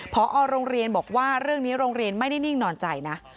พอโรงเรียนบอกว่าเรื่องนี้โรงเรียนไม่ได้นิ่งนอนใจนะ